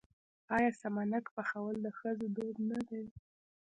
آیا سمنک پخول د ښځو دود نه دی؟